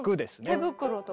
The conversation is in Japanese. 手袋とかね。